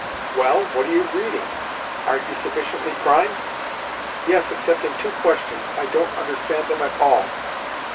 "Well, what are you reading? Aren't you sufficiently primed?" "Yes, except in two questions. I don't understand them at all."